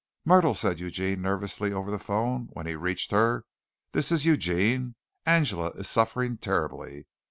"Myrtle," he said nervously over the phone, when he reached her, "this is Eugene. Angela is suffering terribly.